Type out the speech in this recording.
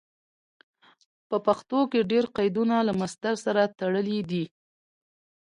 په پښتو کې ډېر قیدونه له مصدر سره تړلي دي.